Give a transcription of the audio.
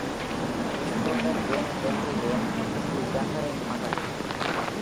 Christopher van Henry van the யங்கரின் மகன்.